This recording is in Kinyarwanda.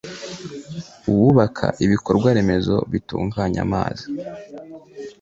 uwubaka ibikorwaremezo bitunganya amazi